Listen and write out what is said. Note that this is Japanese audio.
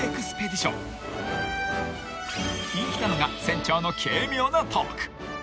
［人気なのが船長の軽妙なトーク］